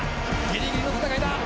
ギリギリの戦いだ。